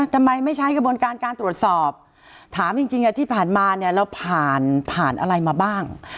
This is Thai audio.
ทำไมไม่ใช้กระบวนการการตรวจสอบถามจริงที่ผ่านมาเนี่ยเราผ่านผ่านอะไรมาบ้าง